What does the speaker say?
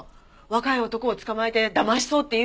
若い男を捕まえてだましそうっていうか。